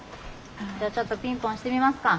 じゃあちょっとピンポン押してみますか？